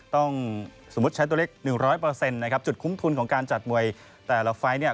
สมมุติใช้ตัวเล็ก๑๐๐นะครับจุดคุ้มทุนของการจัดมวยแต่ละไฟล์เนี่ย